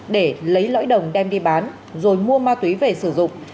để lấy lõi đồng đem đi bán rồi mua ma túy về sử dụng